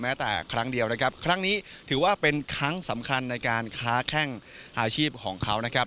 แต่ครั้งเดียวนะครับครั้งนี้ถือว่าเป็นครั้งสำคัญในการค้าแข้งอาชีพของเขานะครับ